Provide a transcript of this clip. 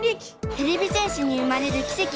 てれび戦士に生まれるきせき